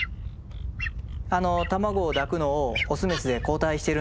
あの卵を抱くのをオスメスで交代してるんだと思います。